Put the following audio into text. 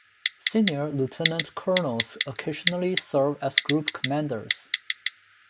Senior Lieutenant colonels occasionally serve as group commanders.